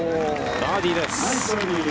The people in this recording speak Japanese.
バーディーです。